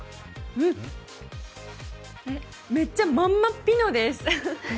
めっちゃ、まんまピノです。